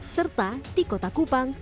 serta di kota kupang